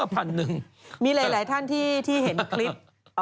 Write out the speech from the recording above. ภาเมอร์๑๐๐๐มีหลายท่านที่เห็นคลิป